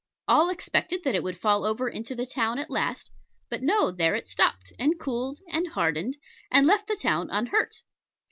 All expected that it would fall over into the town at last: but no, there it stopped, and cooled, and hardened, and left the town unhurt.